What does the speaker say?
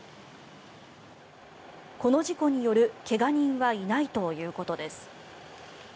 この事故による怪我人はいないということです。